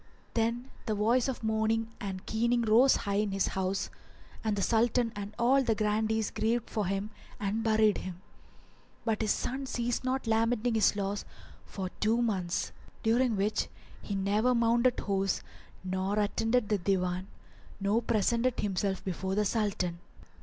Then the voice of mourning and keening rose high in his house and the Sultan and all the grandees grieved for him and buried him; but his son ceased not lamenting his loss for two months, during which he never mounted horse, nor attended the Divan nor presented himself before the Sultan.